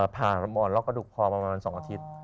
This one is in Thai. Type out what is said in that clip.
ผ่านหมอนล็กกระดูกพอประมาณ๒อาทิตย์